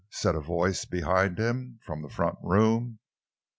said a voice behind him—from the front room.